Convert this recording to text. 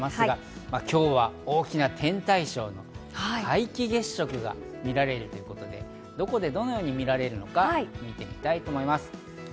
今日は大きな天体ショーの皆既月食が見られるということで、どこでどのように見られるのか、見てみたいと思います。